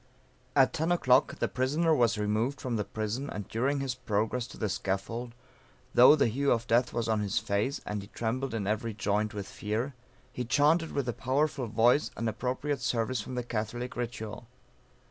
At 10 o'clock, the prisoner was removed from the prison, and during his progress to the scaffold, though the hue of death was on his face, and he trembled in every joint with fear, he chaunted with a powerful voice an appropriate service from the Catholic ritual.